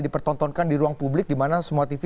dipertontonkan di ruang publik dimana semua tv